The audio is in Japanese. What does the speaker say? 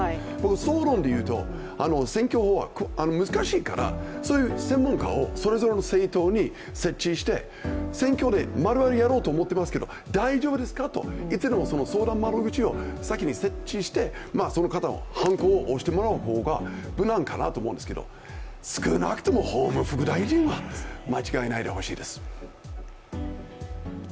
総論でいうと選挙法は難しいから専門家をそれぞれの政党に設置して、選挙でこういうことをやろうと思っていますが、大丈夫ですかと、相談窓口を先に設置してその方にはんこを押してもらう方が無難かなと思うんですが少なくとも法務副大臣は間違えないでほしいです。